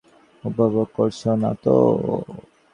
উপভোগ করছ না?